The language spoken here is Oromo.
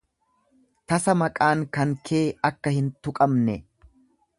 Tasa maqaan kan kee, akka hin tuqamne